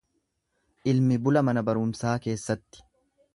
Ilmi bula mana barumsaa keessatti.